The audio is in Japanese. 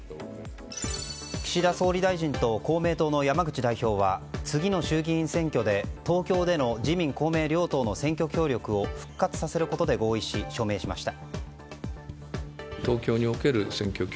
岸田総理大臣と公明党の山口代表は次の衆議院選挙で、東京での自民・公明両党の選挙協力を復活させることで合意し署名しました。